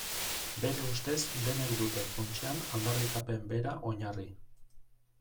Bere ustez denek dute funtsean aldarrikapen bera oinarri.